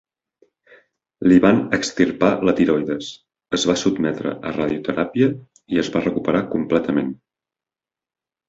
Li van extirpar la tiroides, es va sotmetre a radioteràpia i es va recuperar completament.